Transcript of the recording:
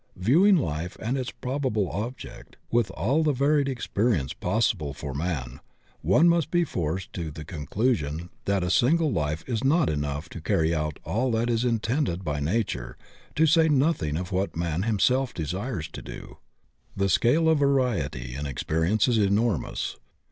Viewing life and its probable object, with all the varied experience possible for man, one must be forced to the conclusion that a single life is not enough for carrying out all that is intended by Nature to say noth ing of what man himself desires to do. The scale of variety in experience is enormous.